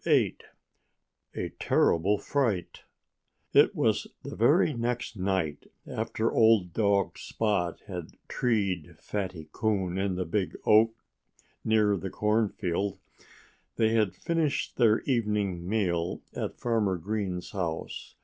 VIII A TERRIBLE FRIGHT It was the very next night after old dog Spot had treed Fatty Coon in the big oak near the cornfield. They had finished their evening meal at Farmer Green's house.